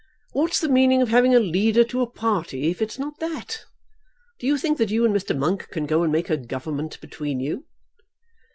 What's the meaning of having a leader to a party, if it's not that? Do you think that you and Mr. Monk can go and make a government between you?"